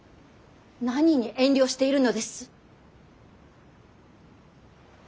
何に遠慮しているのです。